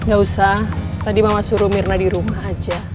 gak usah tadi mama suruh mirna di rumah aja